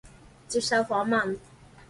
接受訪問